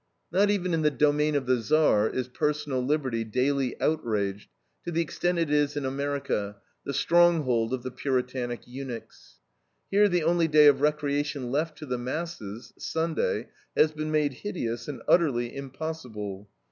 Not even in the domain of the Tsar is personal liberty daily outraged to the extent it is in America, the stronghold of the Puritanic eunuchs. Here the only day of recreation left to the masses, Sunday, has been made hideous and utterly impossible.